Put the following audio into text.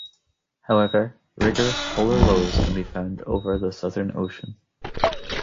However, vigorous polar lows can be found over the Southern Ocean.